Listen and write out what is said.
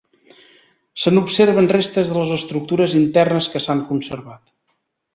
Se n'observen restes de les estructures internes que s'han conservat.